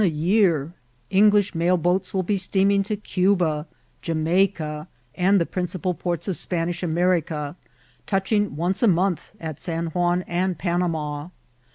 a yetr, Eng^iih mailbooto will be steaming to Caba, Jamaica, and the principal ports of Spanish America, touching once a month at San Juan and Panama.